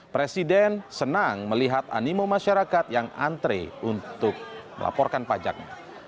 presiden senang melihat animo masyarakat yang antre untuk melaporkan pajaknya